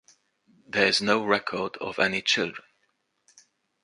There is no record of any children.